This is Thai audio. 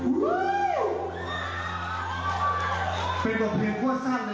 อันนั้นคือจุดแตก